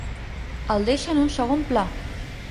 El deixa en un segon pla.